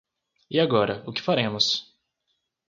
E agora o que faremos?